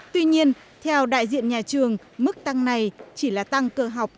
tuy nhiên theo đại diện nhà trường mức tăng này chỉ là tăng cơ học